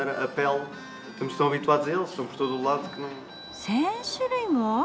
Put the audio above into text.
１０００種類も！？